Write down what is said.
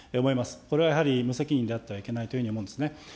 これはやはり無責任であってはいけないというふうに思うんですね。